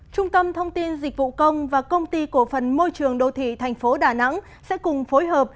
trung tâm thông tin dịch vụ công và công ty cổ phần môi trường đô thị thành phố đà nẵng sẽ cùng phối hợp